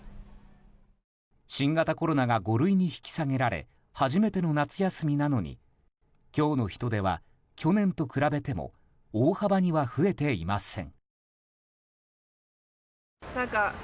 新型コロナが５類に引き下げられ初めての夏休みなのに今日の人出は、去年と比べても大幅には増えていません。